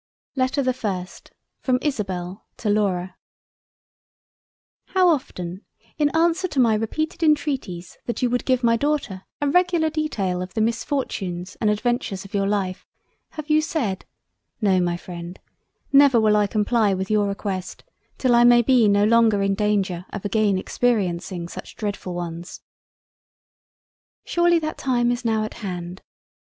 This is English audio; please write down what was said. LETTER the FIRST From ISABEL to LAURA How often, in answer to my repeated intreaties that you would give my Daughter a regular detail of the Misfortunes and Adventures of your Life, have you said "No, my freind never will I comply with your request till I may be no longer in Danger of again experiencing such dreadful ones." Surely that time is now at hand.